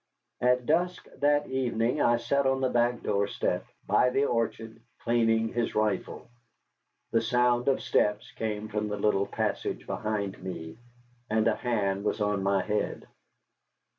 At dusk that evening I sat on the back door step, by the orchard, cleaning his rifle. The sound of steps came from the little passage behind me, and a hand was on my head.